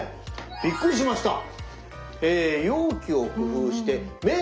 びっくりしました。